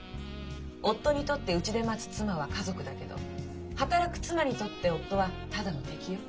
夫にとってうちで待つ妻は家族だけど働く妻にとって夫はただの敵よ。